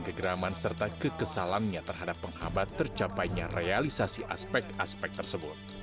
kegeraman serta kekesalannya terhadap penghambat tercapainya realisasi aspek aspek tersebut